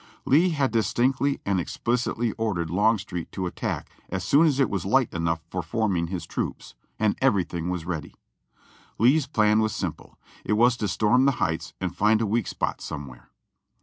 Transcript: Lee had distinctly and explicitly ordered Longstreet to at tack as soon as it was light enough for forming his troops ; and everything was ready. Lee's plan was simple — it was to storm the heights and find a weak spot somewhere.